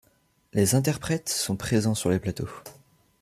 Les interprètes sont présents sur les plateaux.